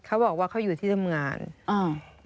เขาบอกว่าเขาอยู่ที่ทำงานอ่า